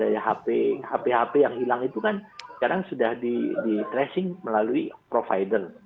ya hp hp yang hilang itu kan sekarang sudah di tracing melalui provider